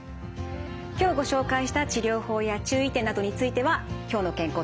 今日ご紹介した治療法や注意点などについては「きょうの健康」